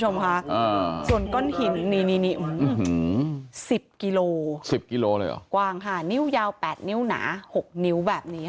ชมค่ะส่วนก้นหิน๑๐กิโลกว่างค่ะนิ้วยาว๘นิ้วหนา๖นิ้วแบบนี้